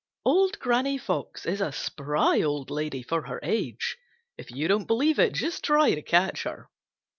Old Granny Fox is a spry old lady for her age. If you don't believe it just try to catch her.